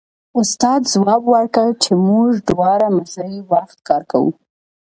استاد ځواب ورکړ چې موږ دواړه مساوي وخت کار کوو